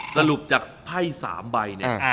สรุปจากไพ่๓ใบ